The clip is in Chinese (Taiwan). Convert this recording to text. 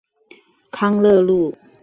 康樂路